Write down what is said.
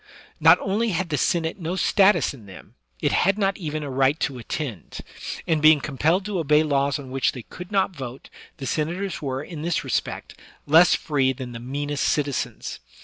Not only had the Senate no status in them — it had not even a right to attend; and, being compelled to obey laws on which they could not vote, the senators were, in this respect, less free than the meanest citizens.